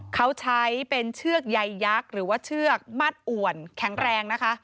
เขาใช้เป็นเชือกใยยักษ์หรือว่าเชือกมัดอ่วนแข็งแรงนะคะ